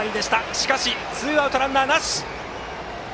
しかしツーアウトランナーなし。